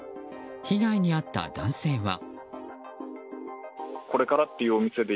被害に遭った男性は。